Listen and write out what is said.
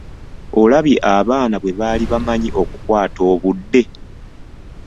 Olabye abaana bwe baali bamanyi okukwata obudde!